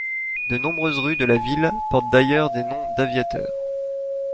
De nombreuses rues de la ville portent d'ailleurs des noms d'aviateurs.